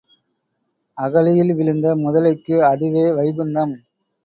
அகழியில் விழுந்த முதலைக்கு அதுவே வைகுந்தம்.